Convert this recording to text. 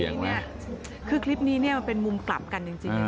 คลิปนี้เนี่ยคือคลิปนี้เนี่ยมันเป็นมุมกลับกันจริงนะ